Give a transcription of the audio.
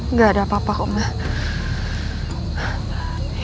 nggak ada apa apa kok mbak